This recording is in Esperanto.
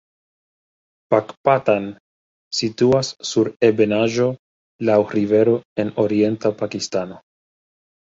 Pakpatan situas sur ebenaĵo laŭ rivero en orienta Pakistano.